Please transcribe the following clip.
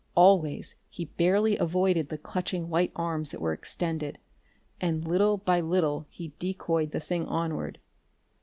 Always he barely avoided the clutching white arms that were extended, and little by little he decoyed the thing onward....